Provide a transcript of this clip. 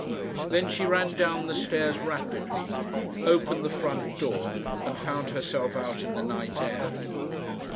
Then she ran down the stairs rapidly, opened the front door, and found herself out in the night air.